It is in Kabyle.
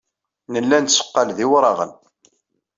Nella netteqqal d iwraɣen.